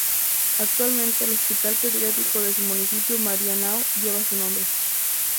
Actualmente, el hospital pediátrico de su municipio Marianao lleva su nombre.